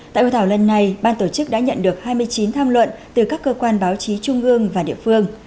tại hội thảo lần này ban tổ chức đã nhận được hai mươi chín tham luận từ các cơ quan báo chí trung ương và địa phương